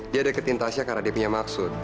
dia deketin tasya karena dia punya maksud